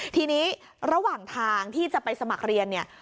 ทีนี้ระหว่างทางที่จะไปสมัครเรียนเนี่ย